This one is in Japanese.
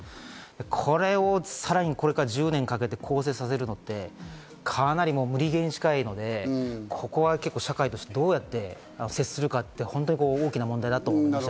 これをさらに１０年かけて更生させるのって、かなり無理ゲーに近いので、社会としてどうやって接するか、大きな問題だと思います。